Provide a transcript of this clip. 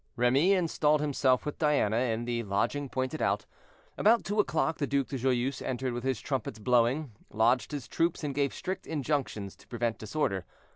Remy installed himself with Diana in the lodging pointed out. About two o'clock the Duc de Joyeuse entered with his trumpets blowing, lodged his troops, and gave strict injunctions to prevent disorder.